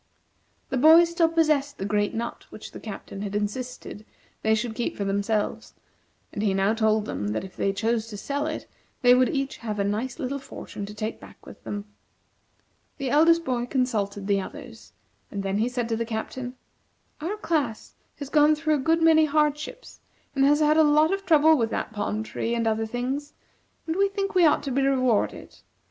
The boys still possessed the great nut which the Captain had insisted they should keep for themselves, and he now told them that if they chose to sell it, they would each have a nice little fortune to take back with them. The eldest boy consulted the others, and then he said to the Captain: "Our class has gone through a good many hardships, and has had a lot of trouble with that palm tree and other things, and we think we ought to be rewarded.